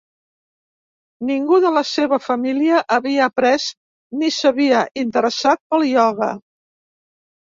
Ningú de la seva família havia après ni s'havia interessat pel ioga.